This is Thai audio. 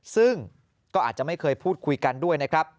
ซึ่งก็อาจจะไม่เคยพูดคุยกันด้วยนะครับ